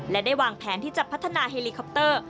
และได้วางแผนที่จะพัฒนาเฮลิคอปเตอร์